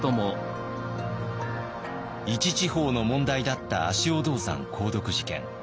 一地方の問題だった足尾銅山鉱毒事件。